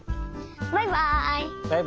バイバイ！